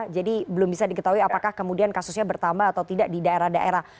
jadi belum bisa diketahui apakah kemudian kasusnya bertambah atau tidak di daerah daerah